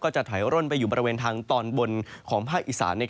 จะถอยร่นไปอยู่บริเวณทางตอนบนของภาคอีสาน